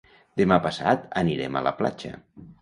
Demà passat anirem a la platja.